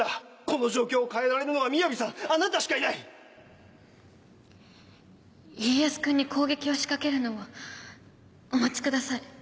この状況を変えられるのはみやびさん家康君に攻撃を仕掛けるのはお待ちください。